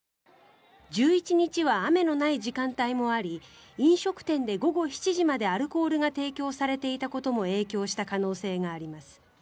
１１日は雨のない時間帯もあり飲食店で午後７時までアルコールが提供されていたことも影響した可能性があります。